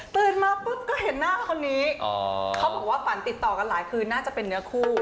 มาปุ๊บก็เห็นหน้าคนนี้เขาบอกว่าฝันติดต่อกันหลายคืนน่าจะเป็นเนื้อคู่